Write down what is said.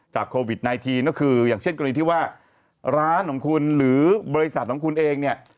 โควิด๑๙ก็คืออย่างเช่นกรณีที่ว่าร้านของคุณหรือบริษัทของคุณเองเนี่ย